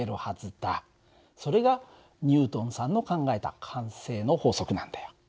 それがニュートンさんの考えた慣性の法則なんだよ。